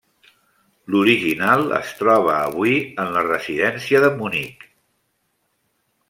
L'original es troba avui en la Residència de Munic.